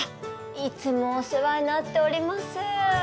いつもお世話になっております